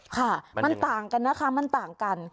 ค่ะมันต่างกันนะคะมันต่างกัน